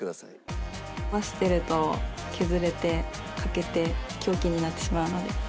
伸ばしてると削れて欠けて凶器になってしまうので。